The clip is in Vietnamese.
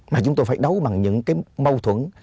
mà chúng tôi phải đấu bằng những cái mâu thuẫn